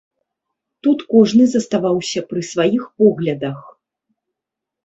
Тут кожны заставаўся пры сваіх поглядах.